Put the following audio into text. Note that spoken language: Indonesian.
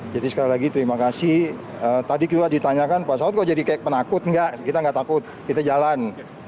jadi sekali lagi terima kasih tadi kita ditanyakan pasal kok jadi kayak penakut enggak kita enggak takut kita jalan